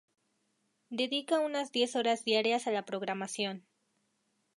Dedica unas diez horas diarias a la programación.